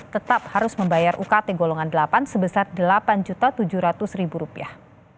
tetap harus membayar ukt golongan delapan sebesar delapan tujuh ratus rupiah